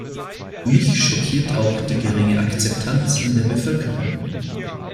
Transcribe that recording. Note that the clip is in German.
Mich schockiert auch die geringe Akzeptanz in der Bevölkerung.